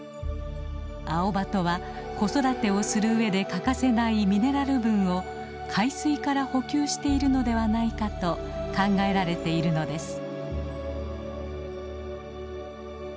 アオバトは子育てをするうえで欠かせないミネラル分を海水から補給しているのではないかと考えられているのです。